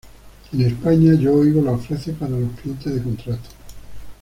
En España, Yoigo la ofrece para los clientes de contrato.